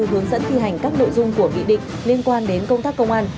hướng dẫn thi hành các nội dung của nghị định liên quan đến công tác công an